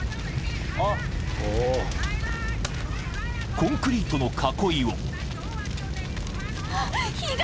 ［コンクリートの囲いを］火が。